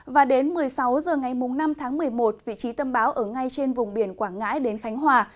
và đến một mươi sáu h ngày năm tháng một mươi một vị trí tâm bão ở ngay trên vùng biển quảng ngãi đến khánh hòa